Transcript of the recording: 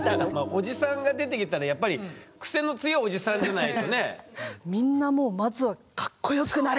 おじさんが出てきたらやっぱりクセの強いおじさんじゃないとね？